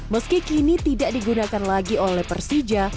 meski kini tidak digunakan lagi oleh persija